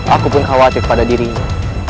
aku pun khawatir pada dirinya